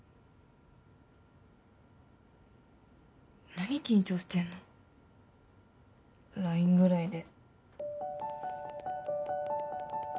何緊張してんの ＬＩＮＥ ぐらいで